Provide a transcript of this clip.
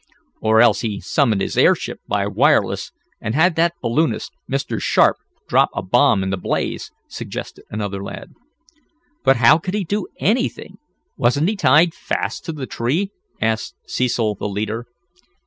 "Or else he summoned his airship by wireless, and had that balloonist, Mr. Sharp, drop a bomb in the blaze," suggested another lad. "But how could he do anything? Wasn't he tied fast to that tree?" asked Cecil, the leader.